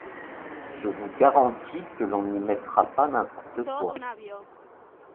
Je vous garantis que l’on n’y mettra pas n’importe quoi.